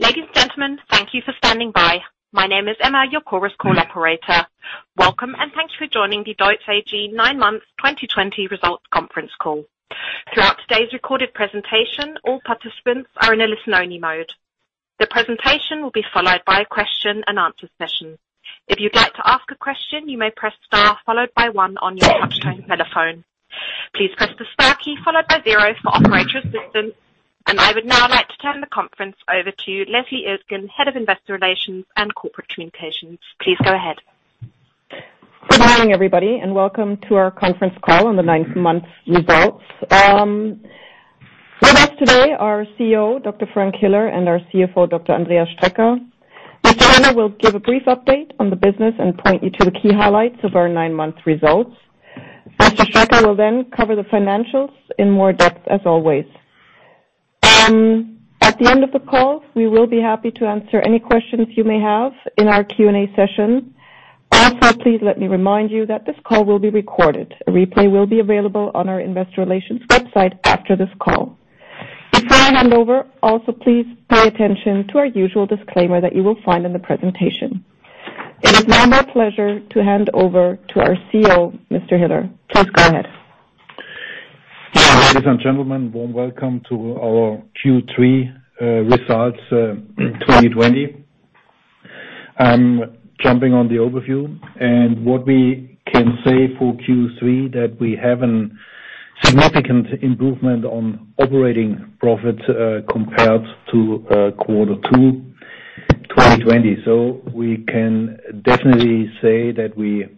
Ladies and gentlemen, thank you for standing by. My name is Emma, your CORUS call operator. Welcome and thanks for joining the DEUTZ AG 9 Months 2020 results conference call. Throughout today's recorded presentation, all participants are in a listen-only mode. The presentation will be followed by a question-and-answer session. If you'd like to ask a question, you may press star followed by one on your touch-tone telephone. Please press the star key followed by zero for operator assistance. I would now like to turn the conference over to Leslie Iltgen, Head of Investor Relations and Corporate Communications. Please go ahead. Good morning, everybody, and welcome to our conference call on the nine-month results. With us today are CEO Dr. Frank Hiller and our CFO Dr. Andreas Strecker. Mr. Hiller will give a brief update on the business and point you to the key highlights of our nine-month results. Mr. Strecker will then cover the financials in more depth, as always. At the end of the call, we will be happy to answer any questions you may have in our Q&A session. Also, please let me remind you that this call will be recorded. A replay will be available on our Investor Relations website after this call. Before I hand over, also please pay attention to our usual disclaimer that you will find in the presentation. It is now my pleasure to hand over to our CEO, Mr. Hiller. Please go ahead. Yeah, ladies and gentlemen, warm welcome to our Q3 results 2020. I'm jumping on the overview. What we can say for Q3 is that we have a significant improvement on operating profits compared to Q2 2020. We can definitely say that we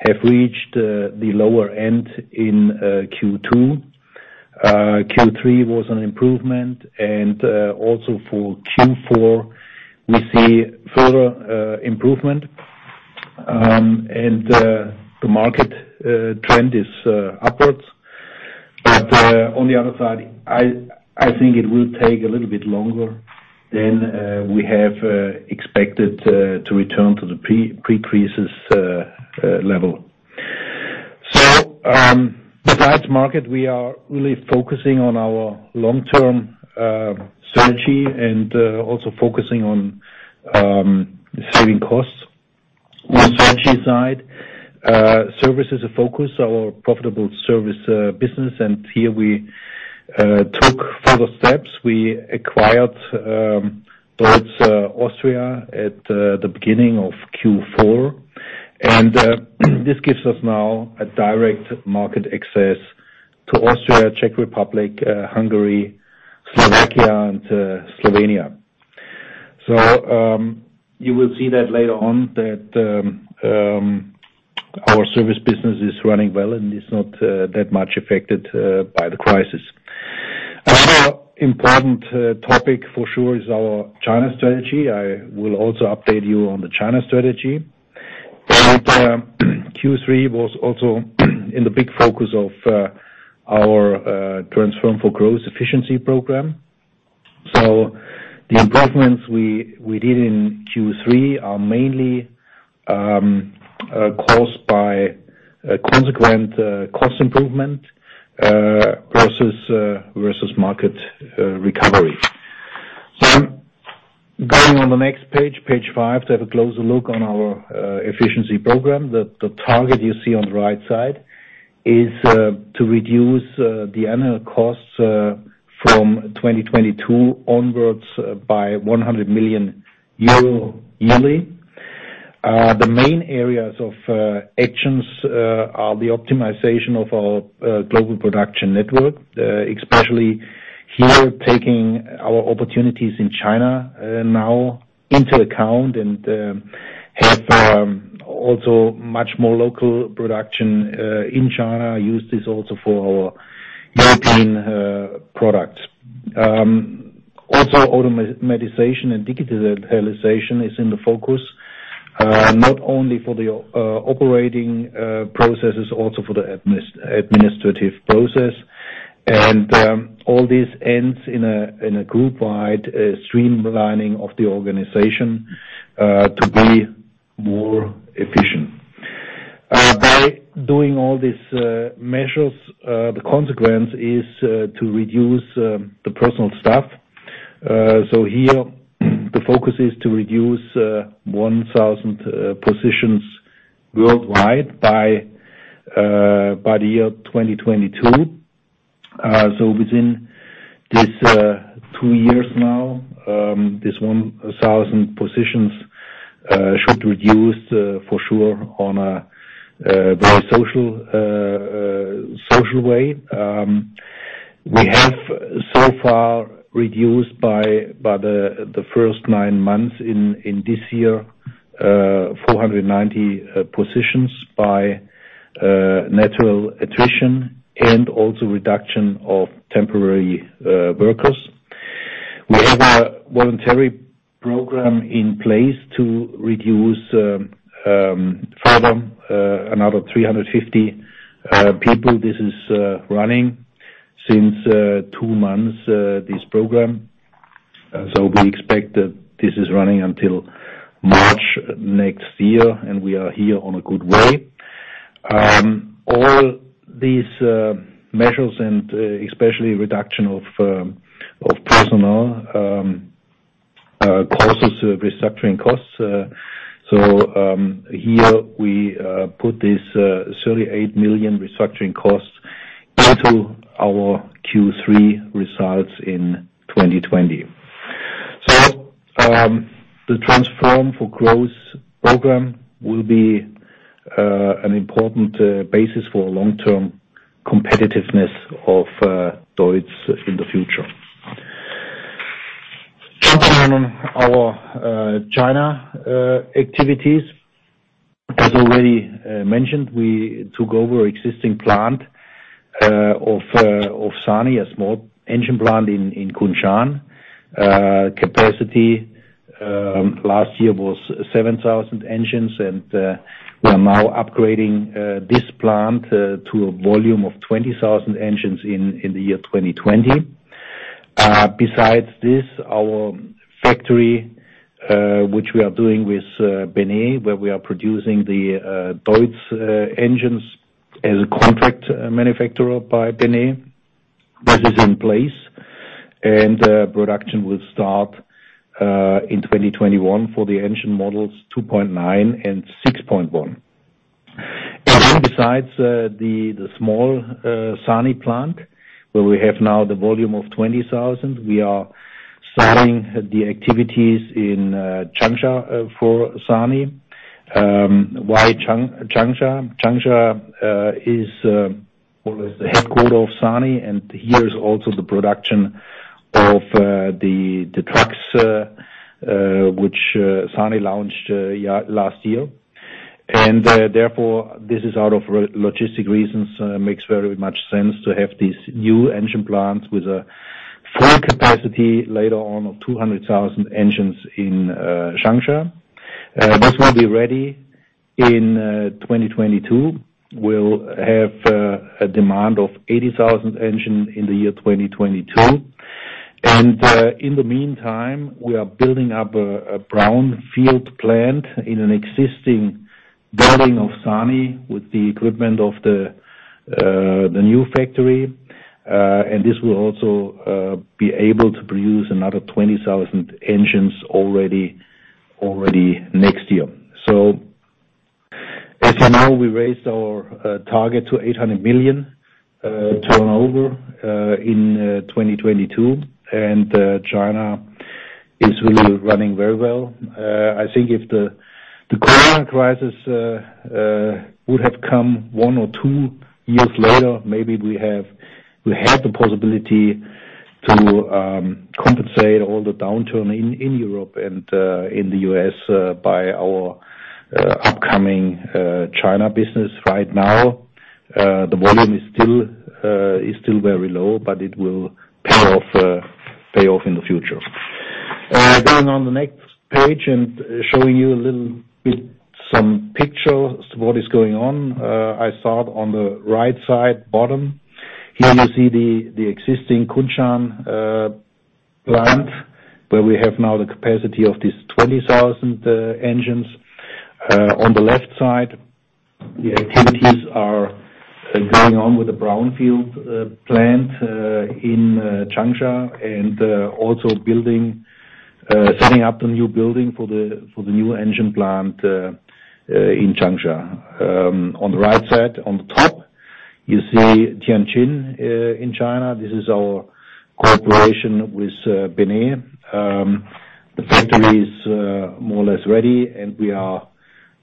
have reached the lower end in Q2. Q3 was an improvement. Also for Q4, we see further improvement. The market trend is upwards. On the other side, I think it will take a little bit longer than we have expected to return to the pre-crisis level. Besides market, we are really focusing on our long-term strategy and also focusing on saving costs. On the strategy side, service is a focus, our profitable service business. Here we took further steps. We acquired DEUTZ Austria at the beginning of Q4. This gives us now a direct market access to Austria, Czech Republic, Hungary, Slovakia, and Slovenia. You will see that later on that our service business is running well and is not that much affected by the crisis. Another important topic for sure is our China strategy. I will also update you on the China strategy. Q3 was also in the big focus of our Transform for Growth Efficiency Program. The improvements we did in Q3 are mainly caused by a consequent cost improvement versus market recovery. Going on the next page, page 5, to have a closer look on our efficiency program, the target you see on the right side is to reduce the annual costs from 2022 onwards by 100 million euro yearly. The main areas of actions are the optimization of our global production network, especially here taking our opportunities in China now into account and have also much more local production in China used this also for our European products. Also, automation and digitalization is in the focus, not only for the operating processes, also for the administrative process. All this ends in a group-wide streamlining of the organization to be more efficient. By doing all these measures, the consequence is to reduce the personal staff. Here, the focus is to reduce 1,000 positions worldwide by the year 2022. Within these two years now, this 1,000 positions should reduce for sure on a very social way. We have so far reduced by the first nine months in this year 490 positions by natural attrition and also reduction of temporary workers. We have a voluntary program in place to reduce further another 350 people. This is running since two months, this program. We expect that this is running until March next year, and we are here on a good way. All these measures, and especially reduction of personnel, causes restructuring costs. Here we put this 38 million restructuring cost into our Q3 results in 2020. The Transform for Growth Program will be an important basis for long-term competitiveness of DEUTZ in the future. Jumping on our China activities, as already mentioned, we took over an existing plant of SANY, a small engine plant in Kunshan. Capacity last year was 7,000 engines, and we are now upgrading this plant to a volume of 20,000 engines in the year 2020. Besides this, our factory, which we are doing with Beinei, where we are producing the DEUTZ engines as a contract manufacturer by Beinei, this is in place. Production will start in 2021 for the engine models 2.9 and 6.1. Besides the small SANY plant, where we have now the volume of 20,000, we are starting the activities in Changsha for SANY. Why Changsha? Changsha is the headquarter of SANY, and here is also the production of the trucks which SANY launched last year. Therefore, this is out of logistic reasons, makes very much sense to have these new engine plants with a full capacity later on of 200,000 engines in Changsha. This will be ready in 2022. We'll have a demand of 80,000 engines in the year 2022. In the meantime, we are building up a brownfield plant in an existing building of SANY with the equipment of the new factory. This will also be able to produce another 20,000 engines already next year. As you know, we raised our target to 800 million turnover in 2022. China is really running very well. I think if the corona crisis would have come one or two years later, maybe we had the possibility to compensate all the downturn in Europe and in the U.S. by our upcoming China business. Right now, the volume is still very low, but it will pay off in the future. Going on the next page and showing you a little bit some pictures of what is going on. I start on the right side bottom. Here you see the existing Kunshan plant where we have now the capacity of these 20,000 engines. On the left side, the activities are going on with the brownfield plant in Changsha and also setting up the new building for the new engine plant in Changsha. On the right side, on the top, you see Tianjin in China. This is our cooperation with Beinei. The factory is more or less ready, and we are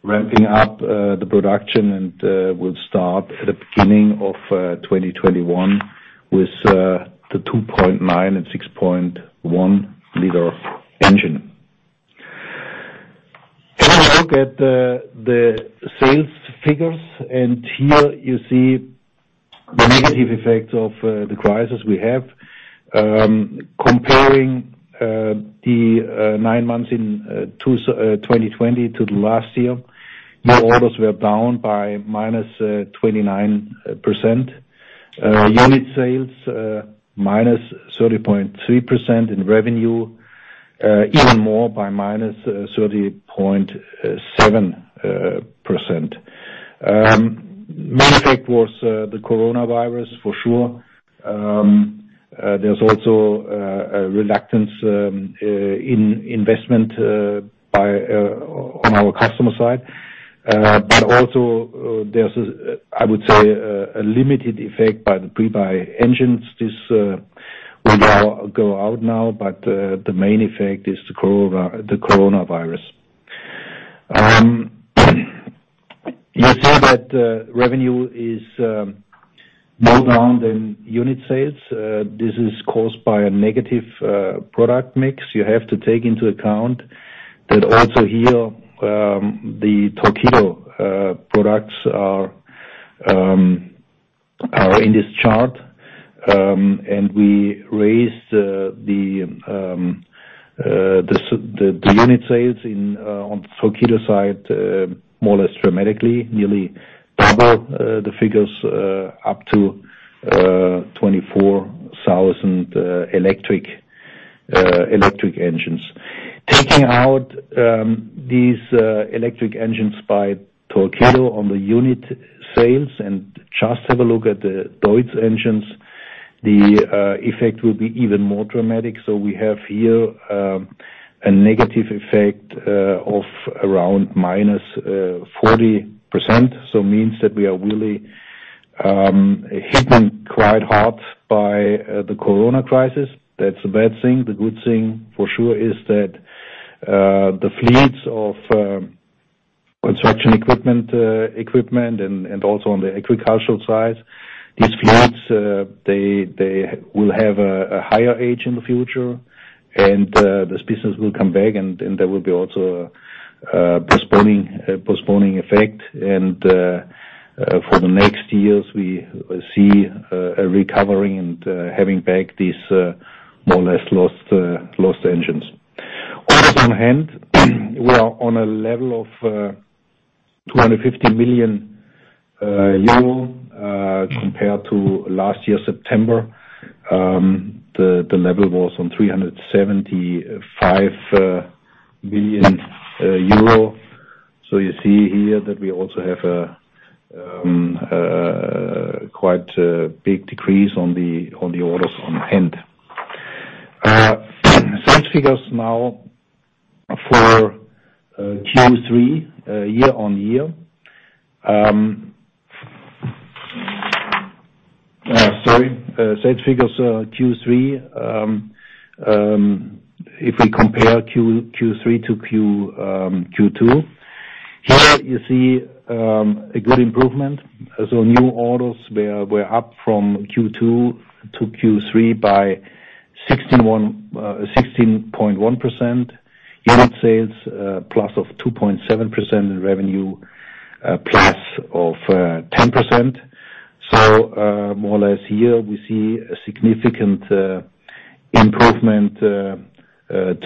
ramping up the production and will start at the beginning of 2021 with the 2.9 L and 6.1 L engine. You look at the sales figures. Here you see the negative effects of the crisis we have. Comparing the nine months in 2020 to last year, new orders were down by -29%. Unit sales -30.3% in revenue, even more by -30.7%. Main effect was the coronavirus for sure. is also a reluctance in investment on our customer side. There is, I would say, a limited effect by the pre-buy engines. This will go out now, but the main effect is the coronavirus. You see that revenue is more down than unit sales. This is caused by a negative product mix. You have to take into account that also here the Torpedo products are in this chart. We raised the unit sales on the Torpedo side more or less dramatically, nearly double the figures, up to 24,000 electric engines. Taking out these electric engines by Torpedo on the unit sales and just have a look at the DEUTZ engines, the effect will be even more dramatic. We have here a negative effect of around -40%. It means that we are really hit quite hard by the corona crisis. That is a bad thing. The good thing for sure is that the fleets of construction equipment and also on the agricultural side, these fleets, they will have a higher age in the future. This business will come back, and there will be also a postponing effect. For the next years, we see a recovery and having back these more or less lost engines. On the hand, we are on a level of 250 million euro compared to last year September. The level was on 375 million euro. You see here that we also have a quite big decrease on the orders on hand. Sales figures now for Q3 year on year. Sorry. Sales figures Q3, if we compare Q3 to Q2, here you see a good improvement. New orders were up from Q2 to Q3 by 16.1%. Unit sales plus of 2.7% in revenue, plus of 10%. Here, we see a significant improvement to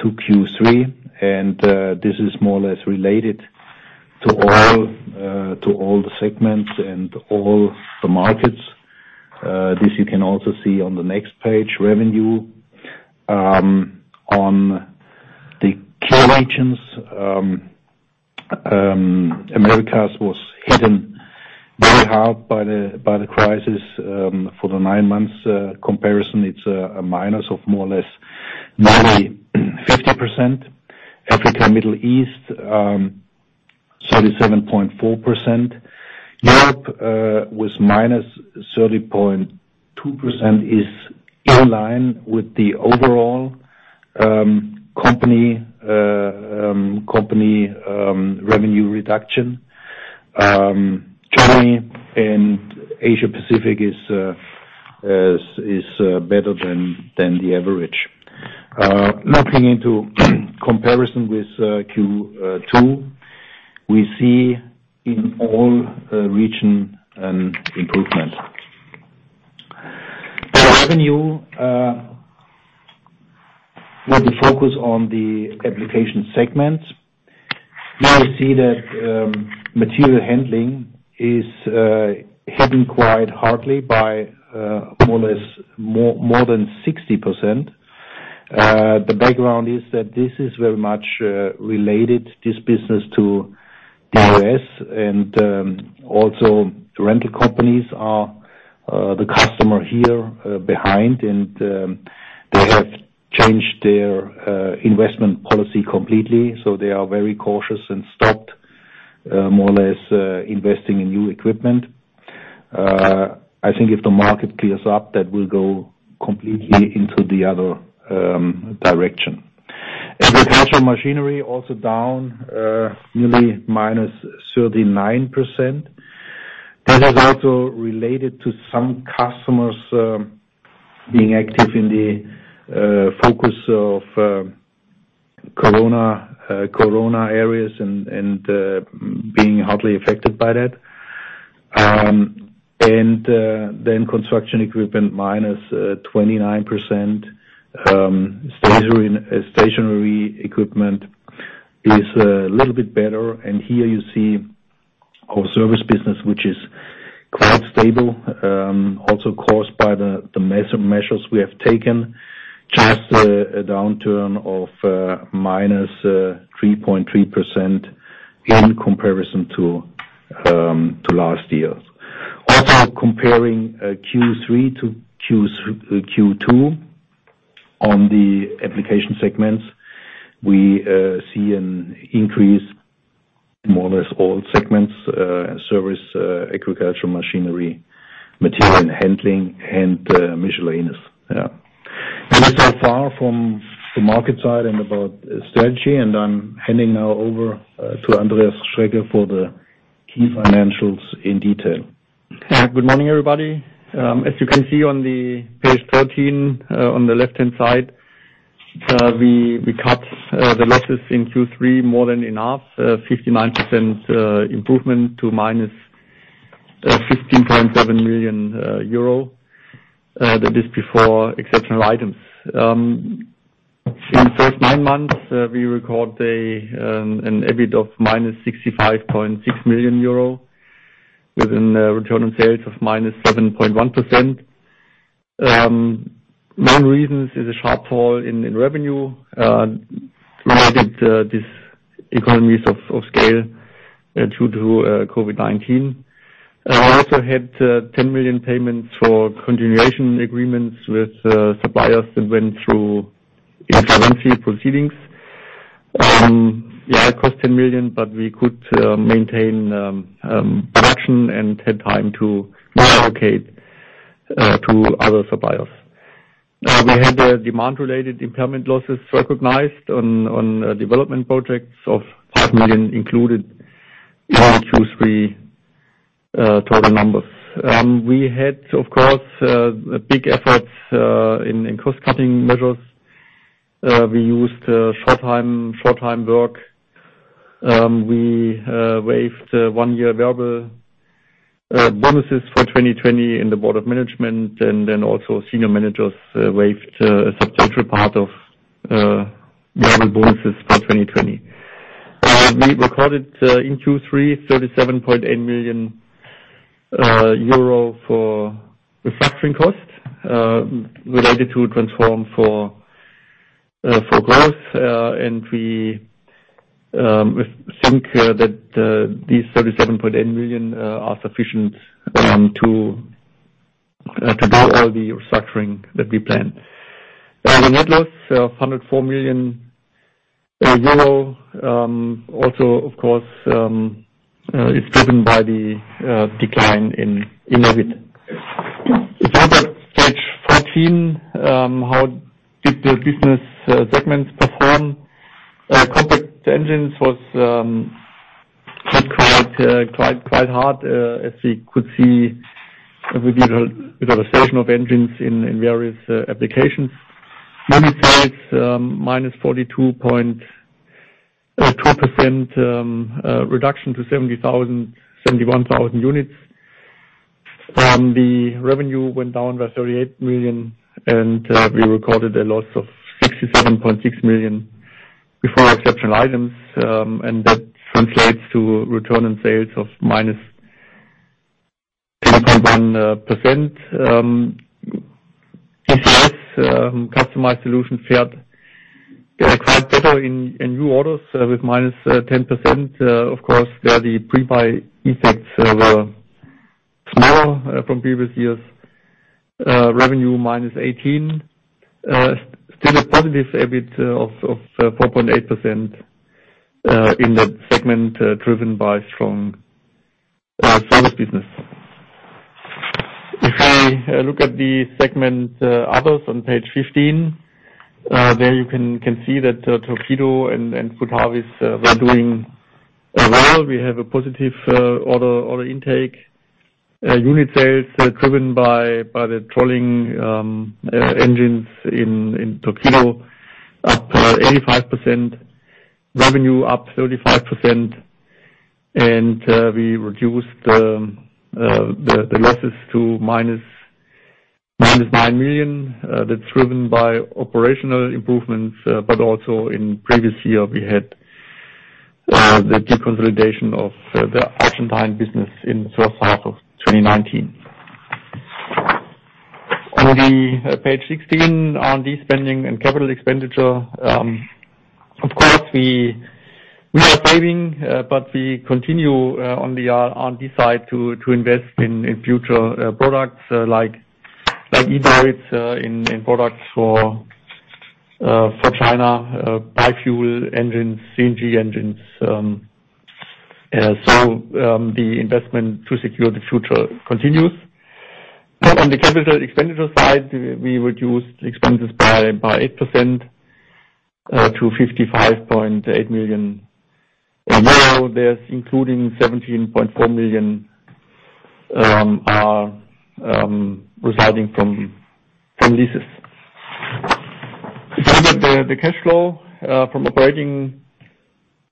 Q3. This is more or less related to all the segments and all the markets. This you can also see on the next page, revenue on the key regions. America was hit very hard by the crisis. For the nine months comparison, it is a minus of more or less nearly 50%. Africa and Middle East, 37.4%. Europe was -30.2%, which is in line with the overall company revenue reduction. Germany and Asia-Pacific are better than the average. Looking into comparison with Q2, we see in all regions an improvement. For revenue, with the focus on the application segment, you see that material handling is hit quite hardly by more or less more than 60%. The background is that this is very much related, this business, to the US. Rental companies are the customer here behind, and they have changed their investment policy completely. They are very cautious and stopped more or less investing in new equipment. I think if the market clears up, that will go completely into the other direction. Agricultural machinery also down nearly -39%. This is also related to some customers being active in the focus of corona areas and being hardly affected by that. Construction equipment -29%. Stationary equipment is a little bit better. Here you see our service business, which is quite stable, also caused by the measures we have taken, just a downturn of -3.3% in comparison to last year. Also comparing Q3 to Q2 on the application segments, we see an increase in more or less all segments: service, agricultural machinery, material handling, and machine liners. Yeah. This is so far from the market side and about strategy. I am handing now over to Andreas Strecker for the key financials in detail. Good morning, everybody. As you can see on page 13 on the left-hand side, we cut the losses in Q3 more than enough, 59% improvement to -15.7 million euro. That is before exceptional items. In the first nine months, we recorded an EBIT of -65.6 million euro with a return on sales of -7.1%. Main reasons is a sharp fall in revenue. This economies of scale due to COVID-19. We also had 10 million payments for continuation agreements with suppliers that went through intervention proceedings. Yeah, it cost 10 million, but we could maintain production and had time to relocate to other suppliers. We had demand-related impairment losses recognized on development projects of 5 million included in the Q3 total numbers. We had, of course, big efforts in cost-cutting measures. We used short-time work. We waived one-year variable bonuses for 2020 in the Board of Management. Senior managers waived a substantial part of variable bonuses for 2020. We recorded in Q3 37.8 million euro for restructuring costs related to Transform for Growth. We think that these 37.8 million are sufficient to do all the restructuring that we planned. The net loss of 104 million euro also, of course, is driven by the decline in EBIT. If you look at page 14, how did the business segments perform? Compact engines was hit quite hard as we could see with utilization of engines in various applications. Unit sales -42.2%, reduction to 71,000 units. The revenue went down by 38 million, and we recorded a loss of 67.6 million before exceptional items. That translates to return on sales of -10.1%. ECS customized solutions fared quite better in new orders with -10%. Of course, the pre-buy effects were smaller from previous years. Revenue -18%. Still a positive EBIT of 4.8% in the segment driven by strong service business. If you look at the segment others on page 15, there you can see that Torpedo and Futavi's were doing well. We have a positive order intake. Unit sales driven by the trolling engines in Torpedo up 85%. Revenue up 35%. We reduced the losses to -9 million. That is driven by operational improvements, but also in previous year, we had the deconsolidation of the Argentine business in the first half of 2019. On page 16, R&D spending and capital expenditure. Of course, we are saving, but we continue on the R&D side to invest in future products like E-DEUTZ, in products for China, bi-fuel engines, CNG engines. The investment to secure the future continues. On the capital expenditure side, we reduced expenses by 8% to 55.8 million euro. This includes 17.4 million resulting from leases. If you look at the cash flow from operating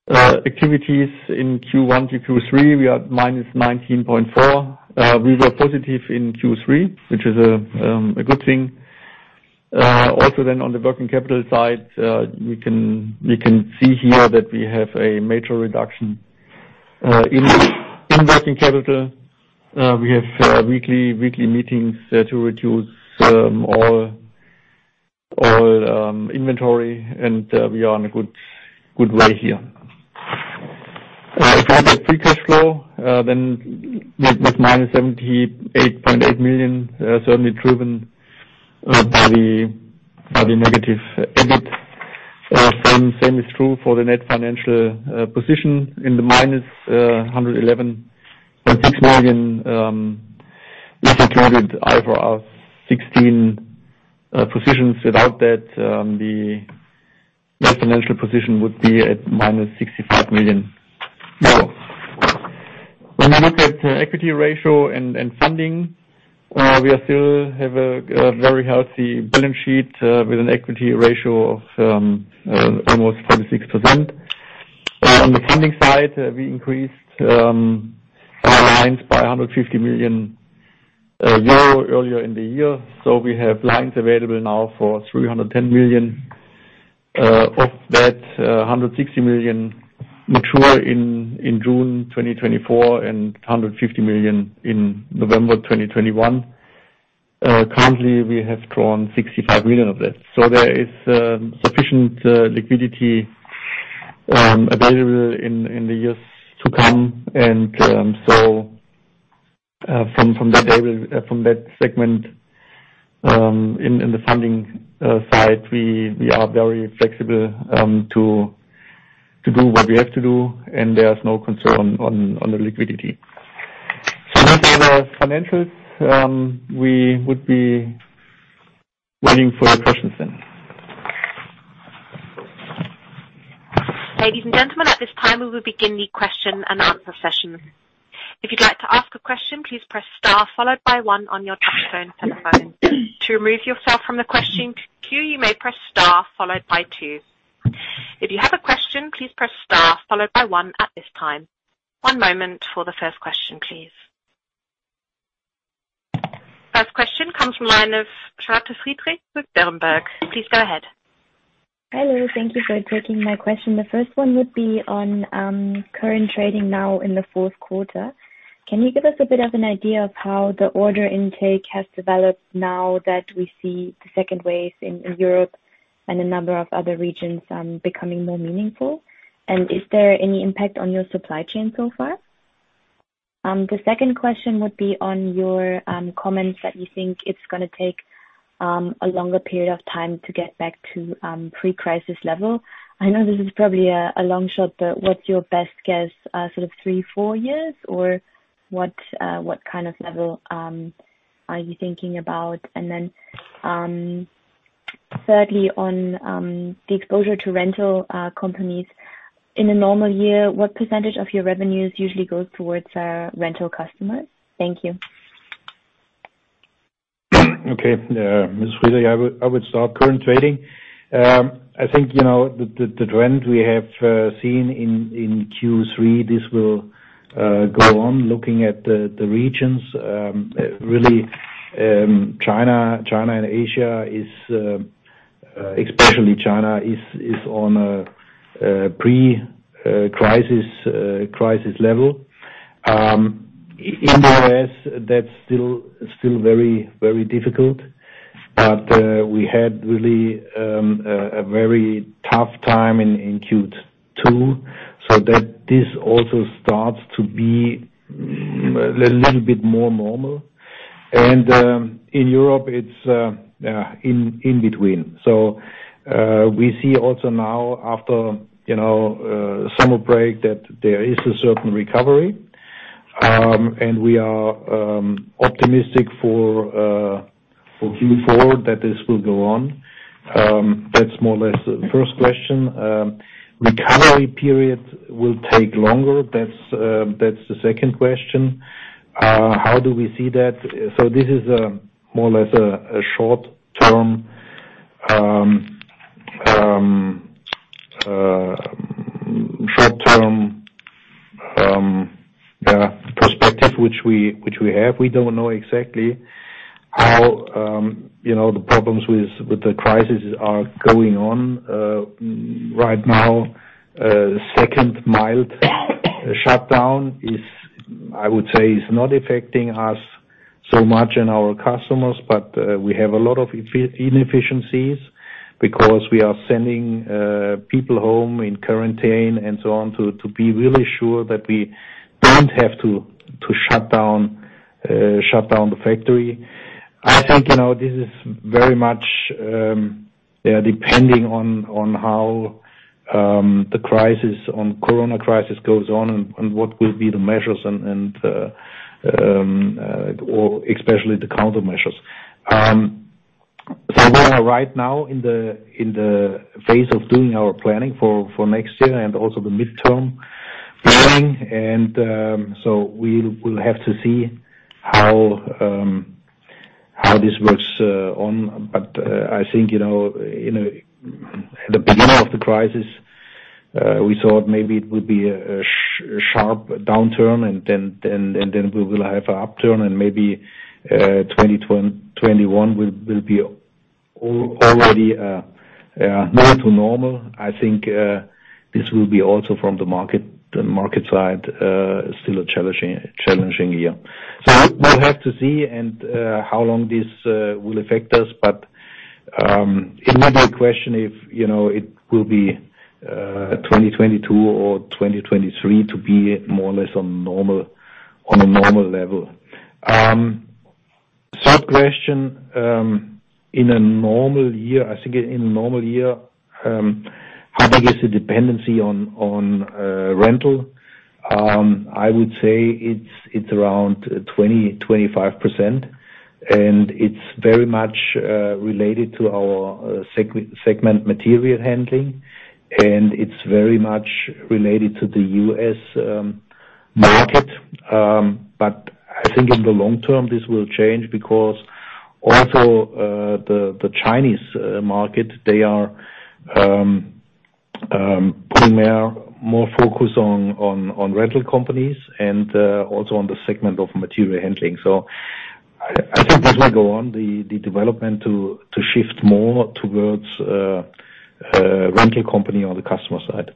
activities in Q1 to Q3, we are minus 19.4 million. We were positive in Q3, which is a good thing. Also on the working capital side, we can see here that we have a major reduction in working capital. We have weekly meetings to reduce all inventory, and we are on a good way here. If you look at free cash flow, then with -78.8 million, certainly driven by the negative EBIT. The same is true for the net financial position. In the EUR -111.6 million, we secured IFRS 16 positions. Without that, the net financial position would be at -65 million euro. When we look at equity ratio and funding, we still have a very healthy balance sheet with an equity ratio of almost 46%. On the funding side, we increased our lines by 150 million euro earlier in the year. We have lines available now for 310 million. Of that, 160 million mature in June 2024 and 150 million in November 2021. Currently, we have drawn 65 million of that. There is sufficient liquidity available in the years to come. From that segment, in the funding side, we are very flexible to do what we have to do, and there's no concern on the liquidity. That's all the financials. We would be waiting for your questions then. Ladies and gentlemen, at this time, we will begin the question and answer session. If you'd like to ask a question, please press star followed by one on your touch-tone telephone. To remove yourself from the question queue, you may press star followed by two. If you have a question, please press star followed by one at this time. One moment for the first question, please. First question comes from line of Charlotte Friedrichs with Berenberg. Please go ahead. Hello. Thank you for taking my question. The first one would be on current trading now in the fourth quarter. Can you give us a bit of an idea of how the order intake has developed now that we see the second wave in Europe and a number of other regions becoming more meaningful? Is there any impact on your supply chain so far? The second question would be on your comments that you think it's going to take a longer period of time to get back to pre-crisis level. I know this is probably a long shot, but what's your best guess? Sort of three, four years, or what kind of level are you thinking about? And then thirdly, on the exposure to rental companies, in a normal year, what percentage of your revenues usually goes towards rental customers? Thank you. Okay. Ms. Friedrichs, I would start. Current trading. I think the trend we have seen in Q3, this will go on. Looking at the regions, really China and Asia, especially China, is on a pre-crisis level. In the U.S., that's still very difficult, but we had really a very tough time in Q2. This also starts to be a little bit more normal. In Europe, it's in between. We see also now, after summer break, that there is a certain recovery. We are optimistic for Q4 that this will go on. That is more or less the first question. Recovery period will take longer. That is the second question. How do we see that? This is more or less a short-term perspective which we have. We do not know exactly how the problems with the crisis are going on. Right now, second mild shutdown, I would say, is not affecting us so much and our customers, but we have a lot of inefficiencies because we are sending people home in quarantine and so on to be really sure that we do not have to shut down the factory. I think this is very much depending on how the corona crisis goes on and what will be the measures, especially the countermeasures. We are right now in the phase of doing our planning for next year and also the midterm planning. We will have to see how this works on. I think at the beginning of the crisis, we thought maybe it would be a sharp downturn, and then we will have an upturn, and maybe 2021 will be already near to normal. I think this will be also from the market side, still a challenging year. We will have to see how long this will affect us. The immediate question is if it will be 2022 or 2023 to be more or less on a normal level. Third question, in a normal year, I think in a normal year, how big is the dependency on rental? I would say it is around 20%-25%. It is very much related to our segment material handling. It is very much related to the US market. I think in the long term, this will change because also the Chinese market, they are putting more focus on rental companies and also on the segment of material handling. I think this will go on, the development to shift more towards rental company on the customer side.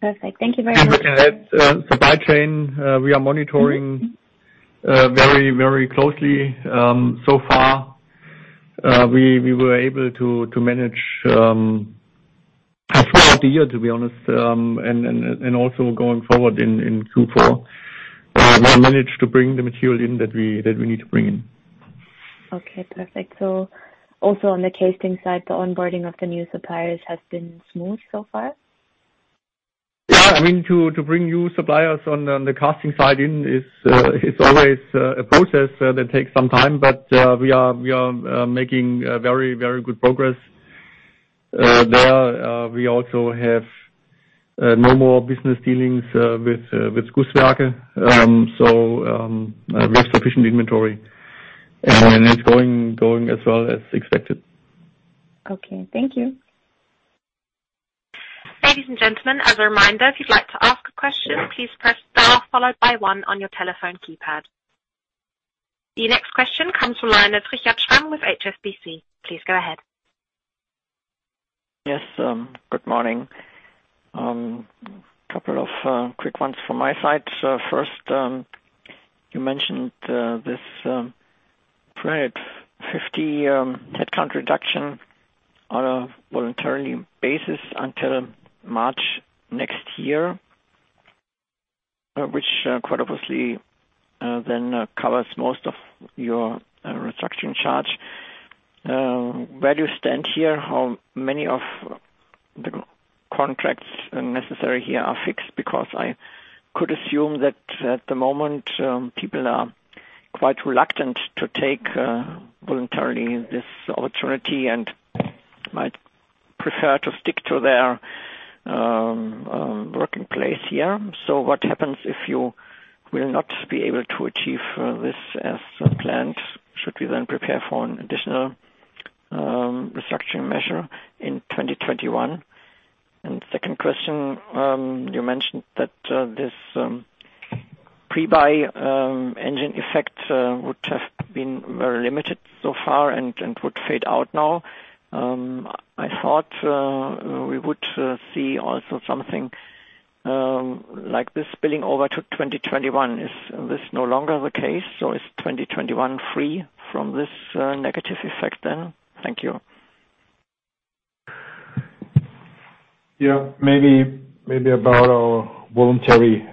Perfect. Thank you very much. Looking at supply chain, we are monitoring very, very closely. So far, we were able to manage throughout the year, to be honest, and also going forward in Q4, we managed to bring the material in that we need to bring in. Okay. Perfect. Also on the casing side, the onboarding of the new suppliers has been smooth so far? Yeah. I mean, to bring new suppliers on the casting side in is always a process that takes some time, but we are making very, very good progress there. We also have no more business dealings with Gusswerke, so we have sufficient inventory. And it's going as well as expected. Okay. Thank you. Ladies and gentlemen, as a reminder, if you'd like to ask a question, please press star followed by one on your telephone keypad. The next question comes from Richard Schramm with HSBC. Please go ahead. Yes. Good morning. A couple of quick ones from my side. First, you mentioned this 50 headcount reduction on a voluntary basis until March next year, which quite obviously then covers most of your restructuring charge. Where do you stand here? How many of the contracts necessary here are fixed? Because I could assume that at the moment, people are quite reluctant to take voluntarily this opportunity and might prefer to stick to their working place here. What happens if you will not be able to achieve this as planned? Should we then prepare for an additional restructuring measure in 2021? Second question, you mentioned that this pre-buy engine effect would have been very limited so far and would fade out now. I thought we would see also something like this spilling over to 2021. Is this no longer the case? Is 2021 free from this negative effect then? Thank you. Maybe about our voluntary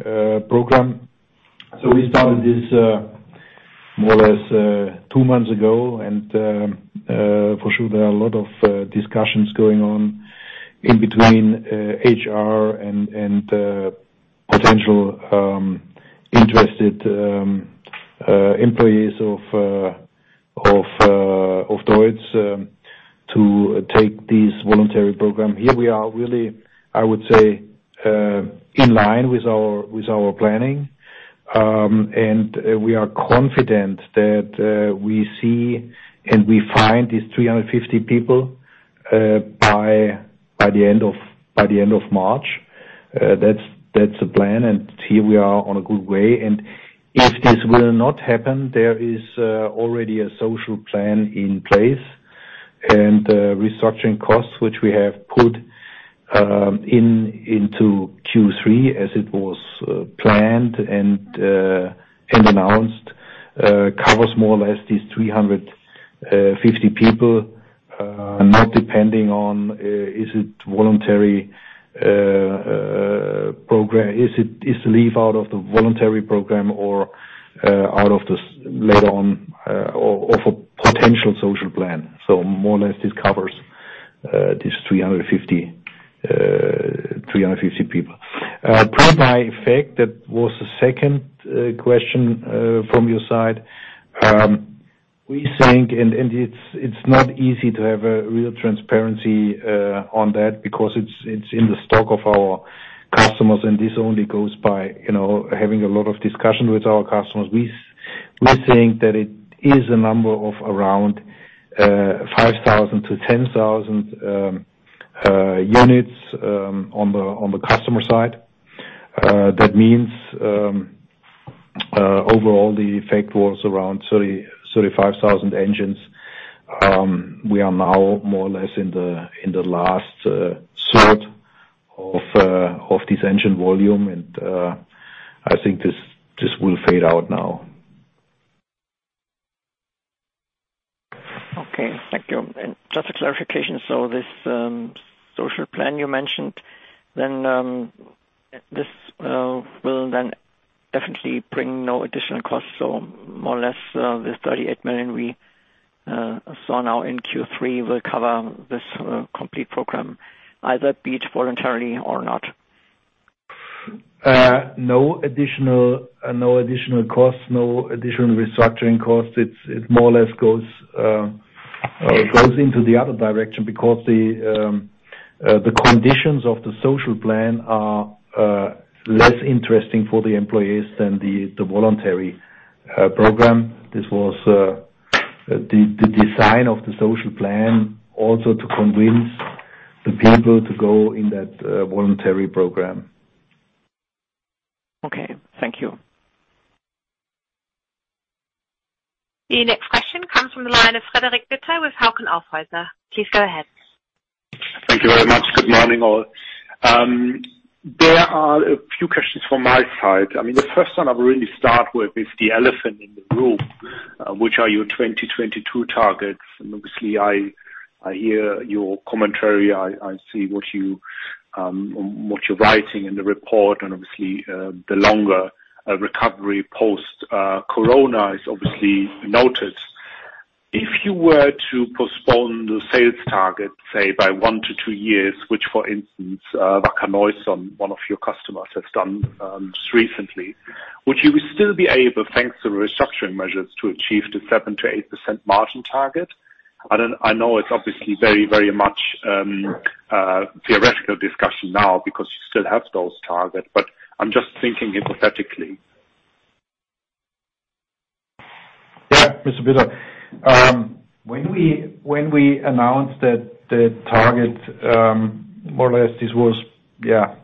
program. We started this more or less two months ago, and for sure, there are a lot of discussions going on in between HR and potential interested employees of DEUTZ to take this voluntary program. Here we are really, I would say, in line with our planning. We are confident that we see and we find these 350 people by the end of March. That is the plan, and here we are on a good way. If this will not happen, there is already a social plan in place. Restructuring costs, which we have put into Q3 as it was planned and announced, covers more or less these 350 people, not depending on is it voluntary program, is the leave out of the voluntary program, or out of the later on, or for potential social plan. More or less, this covers these 350 people. Pre-buy effect, that was the second question from your side. We think, and it's not easy to have real transparency on that because it's in the stock of our customers, and this only goes by having a lot of discussion with our customers. We think that it is a number of around 5,000-10,000 units on the customer side. That means overall, the effect was around 35,000 engines. We are now more or less in the last third of this engine volume, and I think this will fade out now. Okay. Thank you. Just a clarification. This social plan you mentioned, this will then definitely bring no additional costs. More or less, the 38 million we saw now in Q3 will cover this complete program, either be it voluntarily or not. No additional costs, no additional restructuring costs. It more or less goes into the other direction because the conditions of the social plan are less interesting for the employees than the voluntary program. This was the design of the social plan also to convince the people to go in that voluntary program. Okay. Thank you. The next question comes from the line of Frederik Bitter with Hauck & Aufhäuser. Please go ahead. Thank you very much. Good morning, all. There are a few questions from my side. I mean, the first one I will really start with is the elephant in the room, which are your 2022 targets. Obviously, I hear your commentary. I see what you're writing in the report. Obviously, the longer recovery post-corona is obviously noticed. If you were to postpone the sales target, say, by one to two years, which, for instance, Wacker Neuson, one of your customers, has done recently, would you still be able, thanks to restructuring measures, to achieve the 7%-8% margin target? I know it's obviously very, very much theoretical discussion now because you still have those targets, but I'm just thinking hypothetically. Yeah. Mr. Bitter. When we announced the target, more or less, this was, yeah,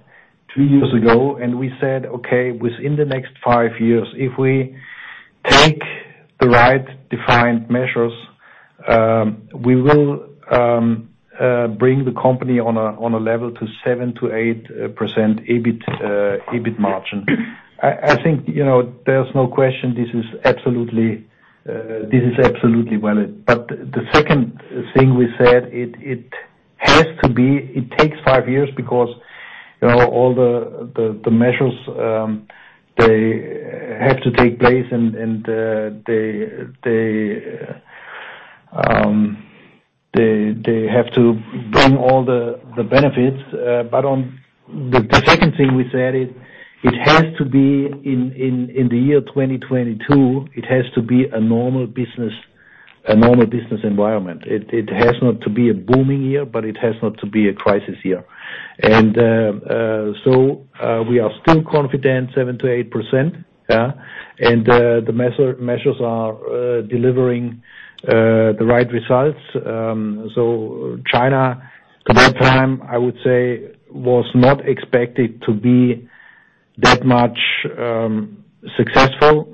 two years ago, and we said, "Okay, within the next five years, if we take the right defined measures, we will bring the company on a level to 7%-8% EBIT margin." I think there's no question this is absolutely valid. The second thing we said, it has to be it takes five years because all the measures, they have to take place, and they have to bring all the benefits. The second thing we said is it has to be in the year 2022, it has to be a normal business environment. It has not to be a booming year, but it has not to be a crisis year. We are still confident 7%-8%. The measures are delivering the right results. China at that time, I would say, was not expected to be that much successful.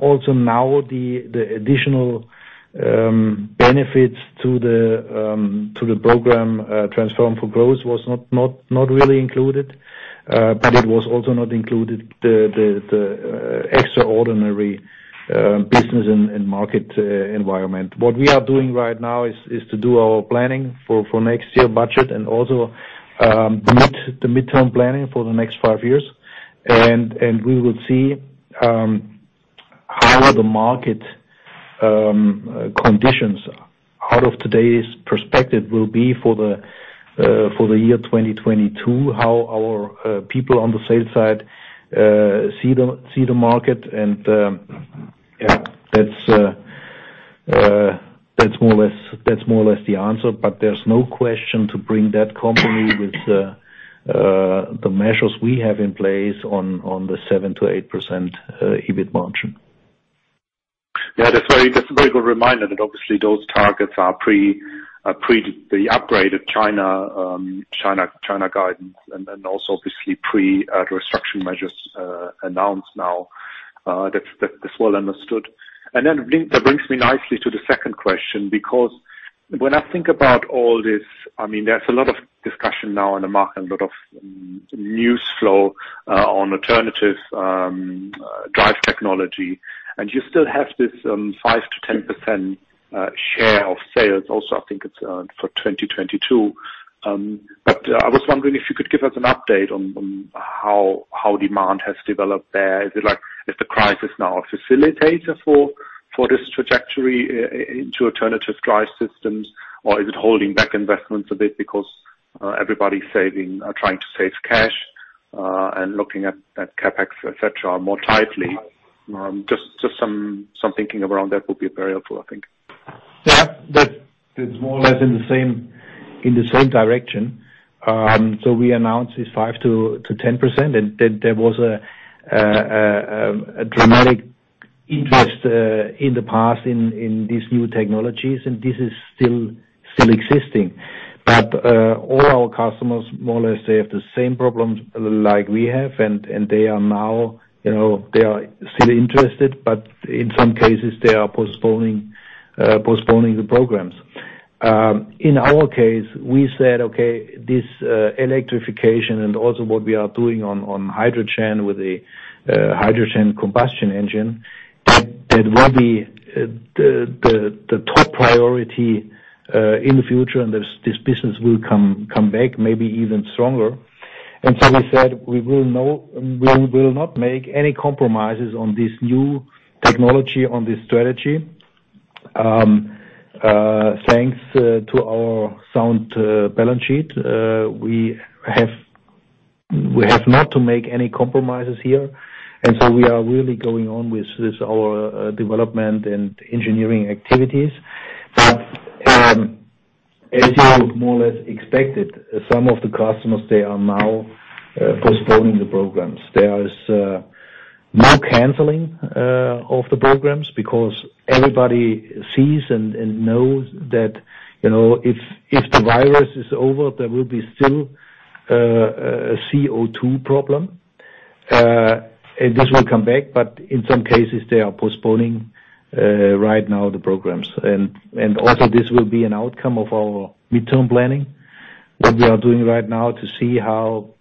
Also, now the additional benefits to the program, Transform for Growth, was not really included. It was also not included the extraordinary business and market environment. What we are doing right now is to do our planning for next year's budget and also the midterm planning for the next five years. We will see how the market conditions out of today's perspective will be for the year 2022, how our people on the sales side see the market. Yeah, that's more or less the answer. There is no question to bring that company with the measures we have in place on the 7%-8% EBIT margin. Yeah, that's a very good reminder that obviously those targets are pre the upgrade of China guidance and also obviously pre-restructuring measures announced now. That's well understood. That brings me nicely to the second question because when I think about all this, I mean, there's a lot of discussion now in the market, a lot of news flow on alternative drive technology. You still have this 5%-10% share of sales. Also, I think it's for 2022. I was wondering if you could give us an update on how demand has developed there. Is it like if the crisis is now a facilitator for this trajectory into alternative drive systems, or is it holding back investments a bit because everybody's trying to save cash and looking at CapEx, etc., more tightly? Just some thinking around that would be very helpful, I think. Yeah. It's more or less in the same direction. We announced this 5%-10%, and there was a dramatic interest in the past in these new technologies, and this is still existing. All our customers, more or less, have the same problems like we have, and they are still interested, but in some cases, they are postponing the programs. In our case, we said, "Okay, this electrification and also what we are doing on hydrogen with the hydrogen combustion engine, that will be the top priority in the future, and this business will come back maybe even stronger." We said, "We will not make any compromises on this new technology, on this strategy." Thanks to our sound balance sheet, we have not to make any compromises here. We are really going on with our development and engineering activities. As you more or less expected, some of the customers, they are now postponing the programs. There is no canceling of the programs because everybody sees and knows that if the virus is over, there will be still a CO2 problem, and this will come back. In some cases, they are postponing right now the programs. This will be an outcome of our midterm planning, what we are doing right now to see how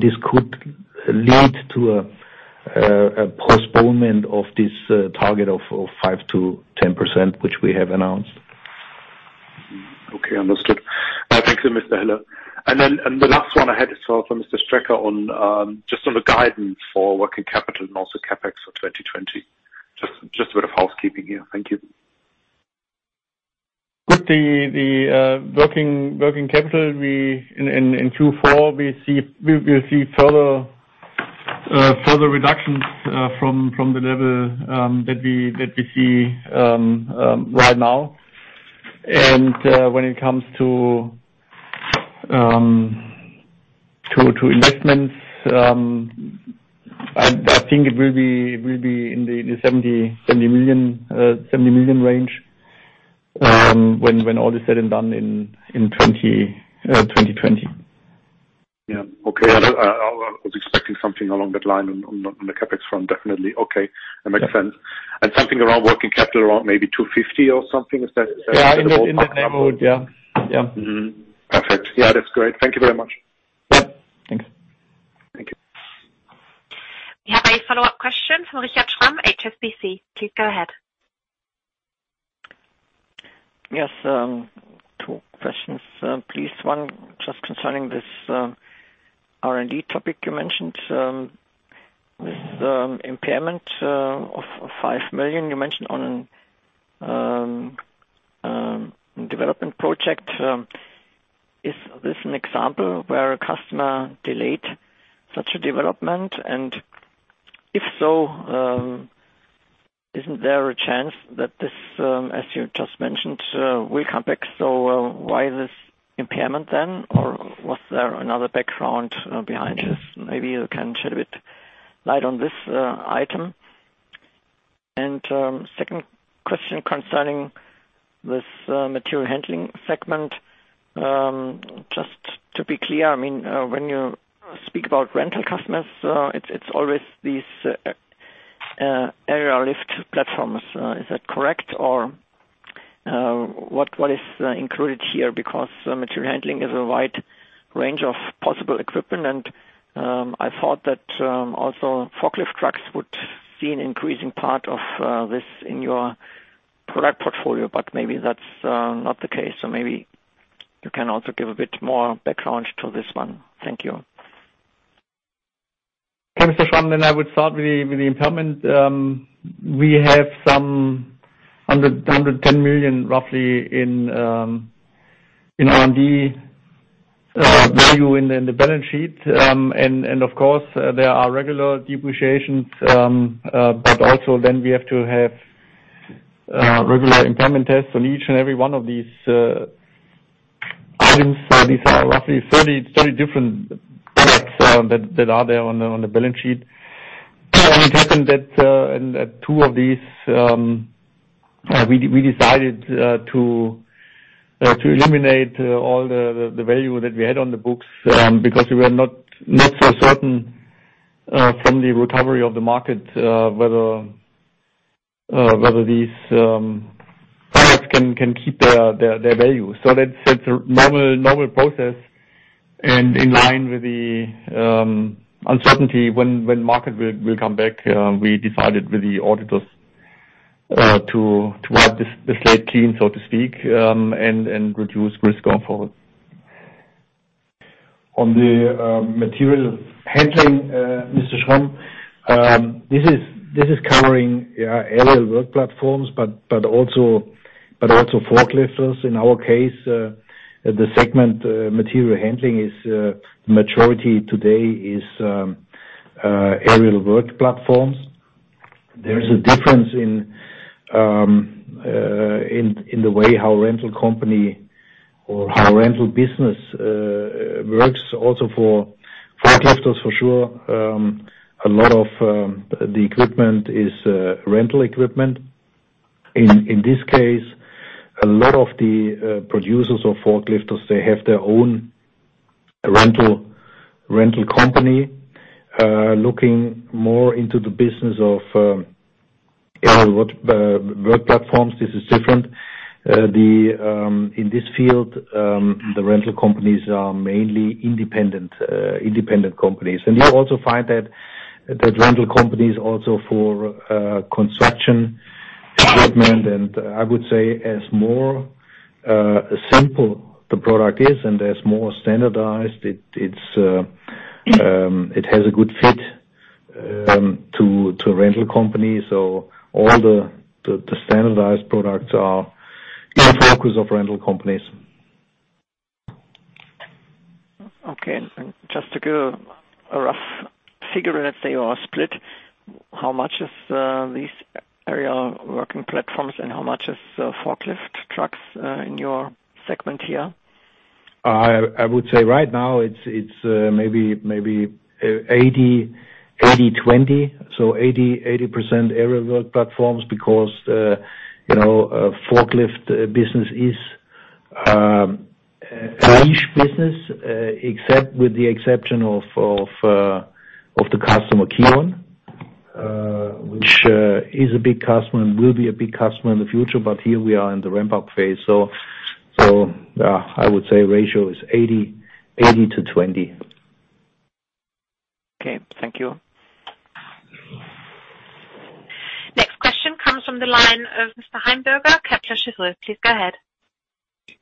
this could lead to a postponement of this target of 5%-10%, which we have announced. Okay. Understood. Thank you, Mr. Hiller. The last one I had is for Mr. Strecker, just on the guidance for working capital and also CapEx for 2020. Just a bit of housekeeping here. Thank you. With the working capital, in Q4, we will see further reductions from the level that we see right now. When it comes to investments, I think it will be in the 70 million range when all is said and done in 2020. Yeah. Okay. I was expecting something along that line on the CapEx front, definitely. That makes sense. Something around working capital, around maybe 250 million or something, is that? Yeah. In that neighborhood. Yeah. Yeah. Perfect. Yeah. That's great. Thank you very much. Yep. Thanks. Thank you. We have a follow-up question from Richard Schramm, HSBC. Please go ahead. Yes. Two questions, please. One just concerning this R&D topic you mentioned, this impairment of 5 million you mentioned on development project. Is this an example where a customer delayed such a development? If so, isn't there a chance that this, as you just mentioned, will come back? Why this impairment then? Was there another background behind this? Maybe you can shed a bit of light on this item. Second question concerning this material handling segment. Just to be clear, I mean, when you speak about rental customers, it's always these aerial work platforms. Is that correct? What is included here? Because material handling is a wide range of possible equipment, and I thought that also forklift trucks would see an increasing part of this in your product portfolio, but maybe that's not the case. Maybe you can also give a bit more background to this one. Thank you. Okay. Mr. Schramm, I would start with the impairment. We have some under 10 million, roughly, in R&D value in the balance sheet. Of course, there are regular depreciations, but also we have to have regular impairment tests on each and every one of these items. These are roughly 30 different products that are there on the balance sheet. It happened that in two of these, we decided to eliminate all the value that we had on the books because we were not so certain from the recovery of the market whether these products can keep their value. That is a normal process. In line with the uncertainty when the market will come back, we decided with the auditors to wipe the slate clean, so to speak, and reduce risk going forward. On the material handling, Mr. Schramm, this is covering aerial work platforms, but also forklifts. In our case, the segment material handling is the majority today is aerial work platforms. There is a difference in the way how rental company or how rental business works. Also for forklifts, for sure, a lot of the equipment is rental equipment. In this case, a lot of the producers of forklifts, they have their own rental company looking more into the business of aerial work platforms. This is different. In this field, the rental companies are mainly independent companies. You also find that rental companies also for construction equipment, and I would say as more simple the product is and as more standardized, it has a good fit to rental companies. All the standardized products are in focus of rental companies. Okay. Just to give a rough figure, let's say you are split, how much is these aerial work platforms and how much is forklift trucks in your segment here? I would say right now it's maybe 80%/20%. 80% aerial work platforms because forklift business is a niche business, with the exception of the customer Kion, which is a big customer and will be a big customer in the future. Here we are in the ramp-up phase. Yeah, I would say ratio is 80% to 20%. Okay. Thank you. Next question comes from the line of Mr. Heimbürger, Kepler Cheuvreux. Please go ahead.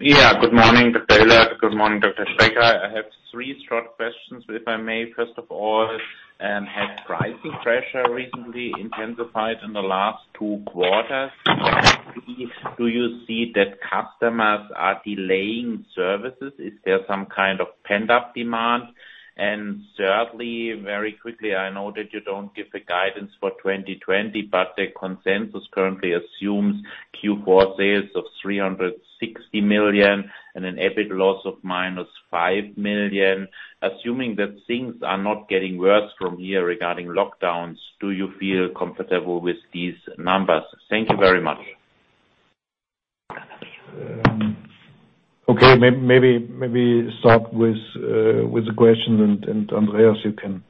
Yeah. Good morning, Dr. Hiller. Good morning, Dr. Strecker. I have three short questions, if I may. First of all, has pricing pressure recently intensified in the last two quarters? Do you see that customers are delaying services? Is there some kind of pent-up demand? Thirdly, very quickly, I know that you do not give the guidance for 2020, but the consensus currently assumes Q4 sales of 360 million and an EBIT loss of -5 million. Assuming that things are not getting worse from here regarding lockdowns, do you feel comfortable with these numbers? Thank you very much. Okay. Maybe start with the question, and Andreas, you can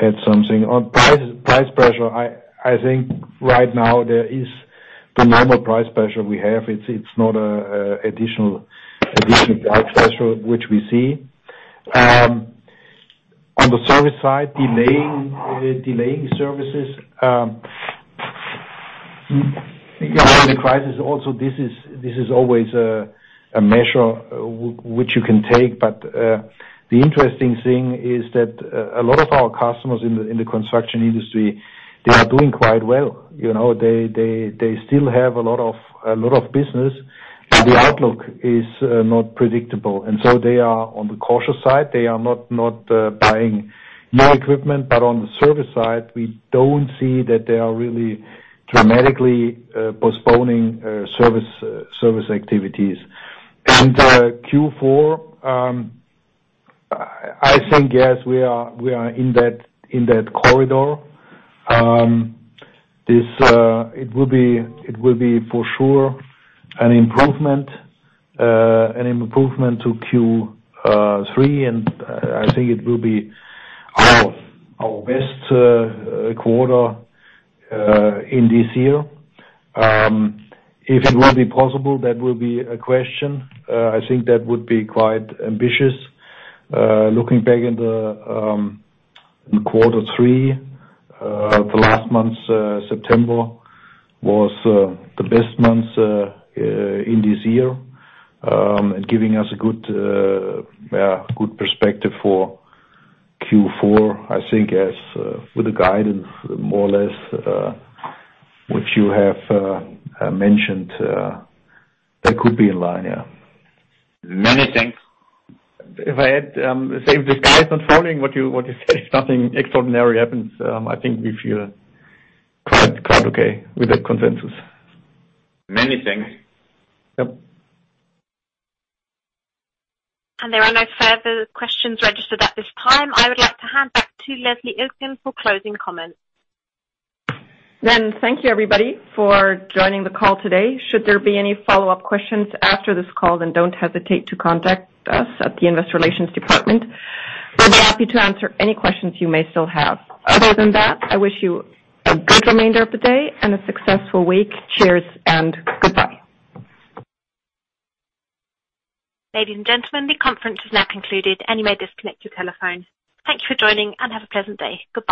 add something. On price pressure, I think right now there is the normal price pressure we have. It's not an additional price pressure which we see. On the service side, delaying services, the crisis also, this is always a measure which you can take. The interesting thing is that a lot of our customers in the construction industry, they are doing quite well. They still have a lot of business, and the outlook is not predictable. They are on the cautious side. They are not buying new equipment. On the service side, we don't see that they are really dramatically postponing service activities. Q4, I think, yes, we are in that corridor. It will be for sure an improvement to Q3, and I think it will be our best quarter in this year. If it will be possible, that will be a question. I think that would be quite ambitious. Looking back in quarter three, the last month, September, was the best month in this year and giving us a good perspective for Q4, I think, with the guidance, more or less, which you have mentioned. That could be in line, yeah. Many thanks. If I had to say, if the sky is not falling, what you said, if nothing extraordinary happens, I think we feel quite okay with that consensus. Many thanks. Yep. There are no further questions registered at this time. I would like to hand back to Leslie Iltgen for closing comments. Thank you, everybody, for joining the call today. Should there be any follow-up questions after this call, then do not hesitate to contact us at the Investor Relations Department. We will be happy to answer any questions you may still have. Other than that, I wish you a good remainder of the day and a successful week. Cheers and goodbye. Ladies and gentlemen, the conference has now concluded, and you may disconnect your telephone. Thank you for joining, and have a pleasant day. Goodbye.